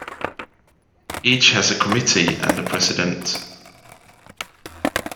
Each has a committee and a president.